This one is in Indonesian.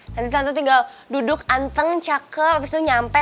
nanti tante tinggal duduk anteng cakep abis itu nyampe